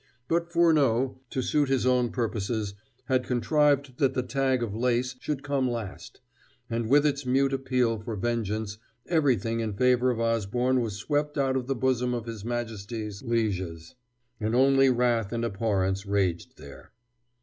But Furneaux, to suit his own purposes, had contrived that the tag of lace should come last; and with its mute appeal for vengeance everything in favor of Osborne was swept out of the bosom of His Majesty's lieges, and only wrath and abhorrence raged there.